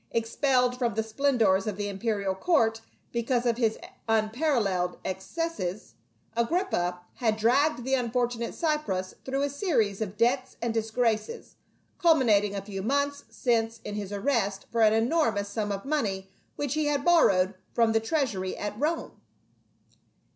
Expelled from the splendors of the imperial court be cause of his unparalleled excesses, Agrippa had dragged the unfortunate Cypros through a series of debts and disgraces, culminating a few months since in his arrest for an enormous sum of money which he had borrowed from the treasury at Rome.